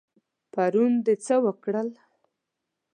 پرون د څه وکړل؟